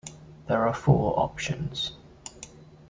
There are four options.